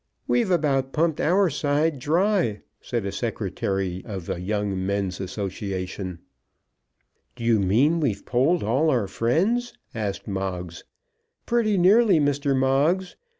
"We've about pumped our side dry," said a secretary of a Young Men's Association. "Do you mean we've polled all our friends?" asked Moggs. "Pretty nearly, Mr. Moggs.